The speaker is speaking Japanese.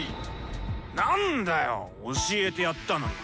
なんだよ教えてやったのに。